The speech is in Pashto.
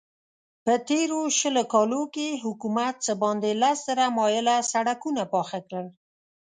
په تېرو شلو کالو کې حکومت څه باندې لس زره مايله سړکونه پاخه کړل.